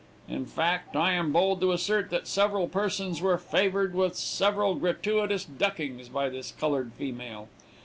In fact, I am bold to assert, that several persons were favored with several gratuitous duckings by this colored female.